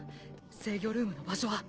制御ルームの場所は？